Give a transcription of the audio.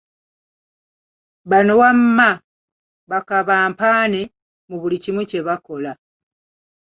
Bano wamma ba "Kabampaane" mu buli kimu kye bakola.